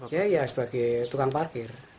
ya ya sebagai tukang parkir